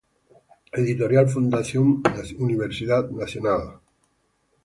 Editorial Fundación Universidad Nacional.